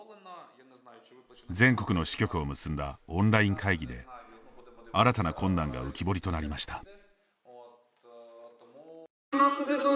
全国の支局を結んだオンライン会議で新たな困難が浮き彫りとなりました。